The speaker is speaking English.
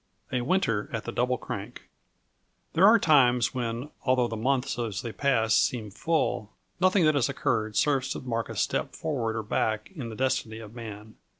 A Winter at the Double Crank. There are times when, although the months as they pass seem full, nothing that has occurred serves to mark a step forward or back in the destiny of man.